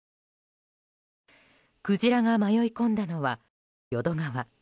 クジラが迷い込んだのは淀川。